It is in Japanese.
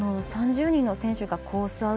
３０人の選手がコース